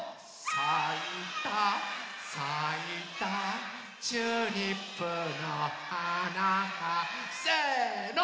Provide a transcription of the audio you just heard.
「さいたさいたチューリップのはなが」せの！